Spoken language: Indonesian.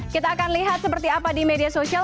kita akan lihat seperti apa di media sosial